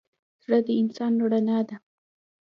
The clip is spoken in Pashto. زړه د انسان رڼا ده.